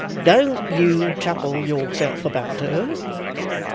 Don't you trouble yourself about her.